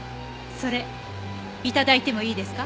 それ頂いてもいいですか？